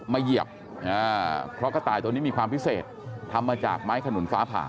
เหยียบเพราะกระต่ายตัวนี้มีความพิเศษทำมาจากไม้ขนุนฟ้าผ่า